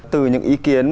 từ những ý kiến